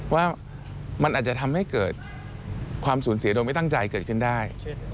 ว่ามันอาจจะทำให้เกิดความสูญเสียโดยไม่ตั้งใจเกิดขึ้นได้